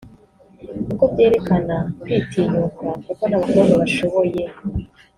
kuko byerekana kwitinyuka kuko n’abakobwa bashoboye